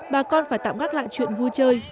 bà con phải tạm gác lại chuyện vui chơi